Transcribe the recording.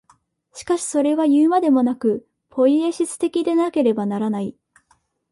しかしそれはいうまでもなく、ポイエシス的でなければならない。